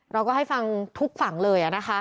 เราก็ให้ฟังทุกฝั่งเลยนะคะ